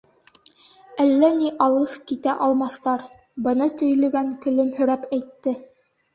— Әллә ни алыҫ китә алмаҫтар, — быны төйлөгән көлөмһөрәп әйтте.